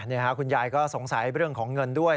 นี่ค่ะคุณยายก็สงสัยเรื่องของเงินด้วย